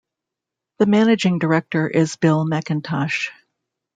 The managing director is Bill McIntosh.